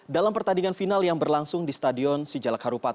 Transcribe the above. dalam pertandingan final yang berlangsung di stadion sijalak harupat